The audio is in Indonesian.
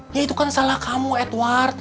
dia itu kan salah kamu edward